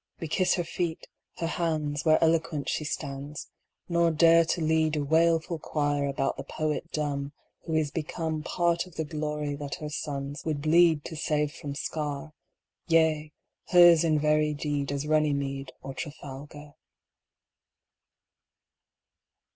We kiss her feet, her hands, Where eloquent she stands; Nor dare to leadA wailful choir about the poet dumbWho is becomePart of the glory that her sons would bleedTo save from scar; Yea, hers in very deedAs Runnymede, Or Trafalgar.